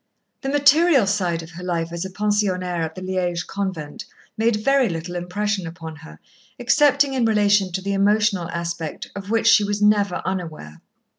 The material side of her life as a pensionnaire at the Liège convent made very little impression upon her, excepting in relation to the emotional aspect, of which she was never unaware.